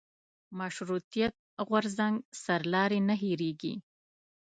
مشروطیت غورځنګ سرلاري نه هېرېږي.